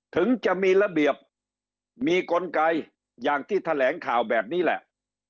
ถึงจะมีระเบียบมีกลไกอย่างที่แถลงข่าวแบบนี้แหละ